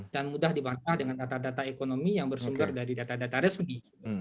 dan mudah dibantah dengan data data ekonomi yang bersumber dari data data resmi